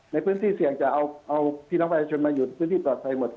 ในพื้นที่เสี่ยงจะเอาพี่น้องประชาชนมาหยุดพื้นที่ปลอดภัยหมด